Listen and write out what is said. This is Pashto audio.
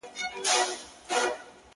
د ميني درد ـ